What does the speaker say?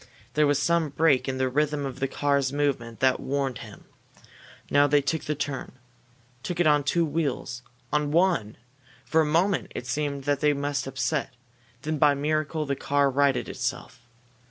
There was some break in the rhythm of the car's movement that warned him. Now they took the turn. Took it on two wheels on one! For a moment it seemed that they must upset. Then, by a miracle, the car righted itself.